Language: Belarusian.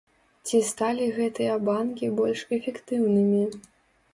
Ці сталі гэтыя банкі больш эфектыўнымі?